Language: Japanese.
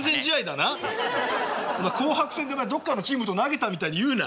お前紅白戦でどっかのチームと投げたみたいに言うな。